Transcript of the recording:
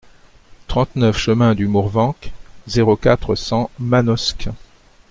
trente-neuf chemin du Mourvenc, zéro quatre, cent Manosque